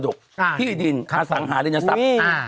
จะโดดเด่นในเรื่องมรดกที่ดินคาสังหารินทรัพย์